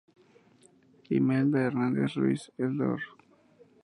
Imelda Hernández Ruiz, el Dr.